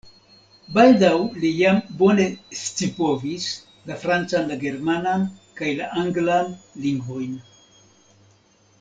Baldaŭ li jam bone scipovis la francan, la germanan kaj la anglan lingvojn.